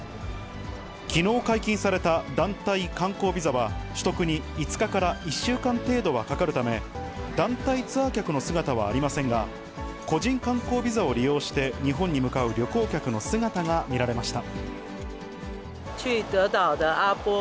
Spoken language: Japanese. きのう解禁された団体観光ビザは、取得に５日から１週間程度はかかるため、団体ツアー客の姿はありませんが、個人観光ビザを利用して、日本に向かう旅行客の姿が見られました。